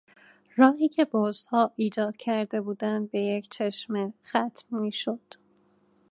راهی که بزها ایجاد کرده بودند به یک چشمه ختم میشد.